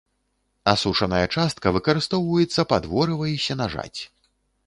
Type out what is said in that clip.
Асушаная частка выкарыстоўваецца пад ворыва і сенажаць.